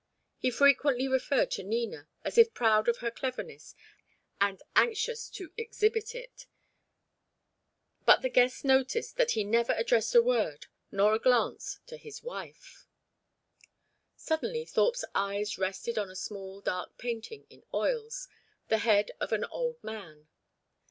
He frequently referred to Nina, as if proud of her cleverness and anxious to exhibit it; but the guest noticed that he never addressed a word nor a glance to his wife. Suddenly Thorpe's eyes rested on a small dark painting in oils, the head of an old man.